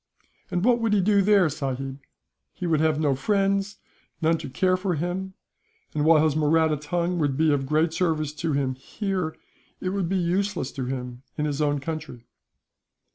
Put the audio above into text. "And what would he do there, sahib? He would have no friends, none to care for him; and while his Mahratti tongue would be of great service to him, here, it would be useless to him in his own country.